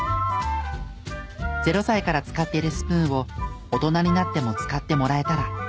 ０歳から使っているスプーンを大人になっても使ってもらえたら。